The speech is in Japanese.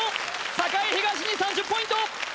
栄東に３０ポイント！